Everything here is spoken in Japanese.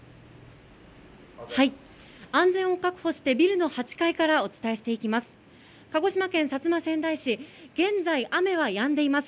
安全を確保して、ビルの８階からお伝えしていきます。